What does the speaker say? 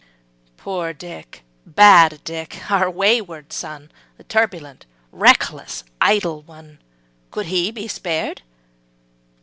Poor Dick! bad Dick! our wayward son, Turbulent, reckless, idle one Could he be spared?